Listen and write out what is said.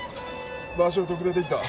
場所特定できた？